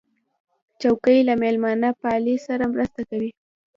چوکۍ له میلمهپالۍ سره مرسته کوي.